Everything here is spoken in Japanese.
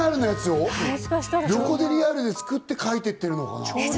横で、リアルでやりながら描いていってるのかな？